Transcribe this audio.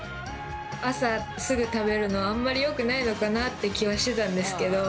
朝すぐ食べるのあんまりよくないのかなって気はしてたんですけど。